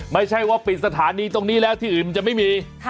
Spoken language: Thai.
ไม่ใช่ว่าปิดสถานีตรงนี้แล้วที่อื่นมันจะไม่มี